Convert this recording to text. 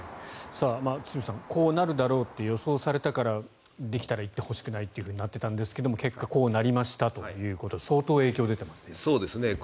堤さんこうなるだろうと予想されたからできたら行ってほしくないとなっていたんですが結果こうなりましたということで相当影響が出ていますね。